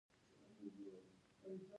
کله چې سلایم له امریکایي بنسټونو سره مخ شو.